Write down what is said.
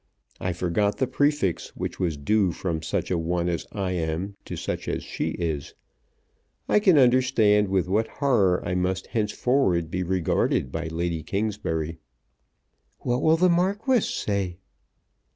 I forgot the prefix which was due from such a one as I am to such as she is. I can understand with what horror I must henceforward be regarded by Lady Kingsbury." "What will the Marquis say?"